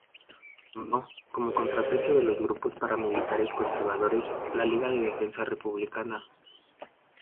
Fundó, como contrapeso de los grupos paramilitares conservadores, la Liga de Defensa Republicana.